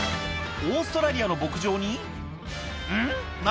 オーストラリアの牧場にうん？